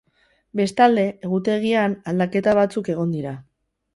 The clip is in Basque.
Bestalde, egutegian aldaketa batzuk egon dira.